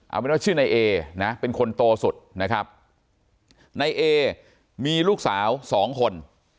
เอาเป็นว่าชื่อนายเอนะเป็นคนโตสุดนะครับในเอมีลูกสาวสองคน